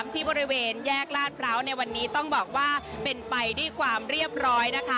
ที่บริเวณแยกลาดพร้าวในวันนี้ต้องบอกว่าเป็นไปด้วยความเรียบร้อย